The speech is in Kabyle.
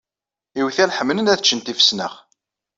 Iwtal ḥemmlen ad ccen tifesnax.